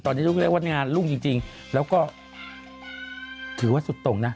ตอนนี้ต้องเรียกว่างานรุ่งจริงแล้วก็ถือว่าสุดตรงนะ